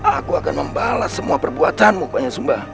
aku akan membalas semua perbuatanmu banyak sumba